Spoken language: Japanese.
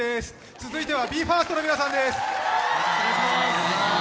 続いてはＢＥ：ＦＩＲＳＴの皆さんです。